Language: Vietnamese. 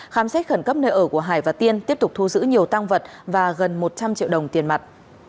khám xét khẩn cấp nơi ở của hải và tiên tiếp tục thu giữ nhiều tăng vật và gần một trăm linh triệu đồng tiền mặt